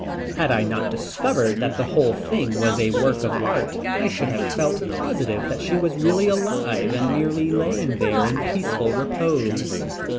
Had I not discovered that the whole thing was a work of art, I should have felt positive that she was really alive and merely lay there in peaceful repose.